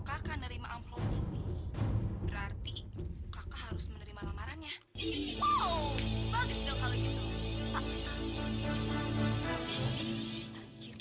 kakak nerima amplop ini berarti kakak harus menerima lamarannya bagus kalau gitu